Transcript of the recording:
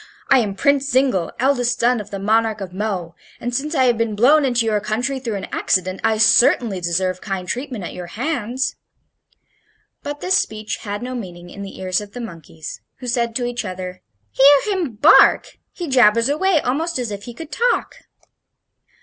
I am Prince Zingle, eldest son of the Monarch of Mo, and, since I have been blown into your country through an accident, I certainly deserve kind treatment at your hands." But this speech had no meaning in the ears of the monkeys, who said to each other: "Hear him bark! He jabbers away almost as if he could talk!"